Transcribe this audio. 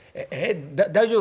大丈夫？」。